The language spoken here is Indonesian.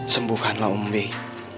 sembukanlah om big